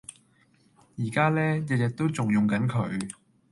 依家呢，日日都仲用緊佢！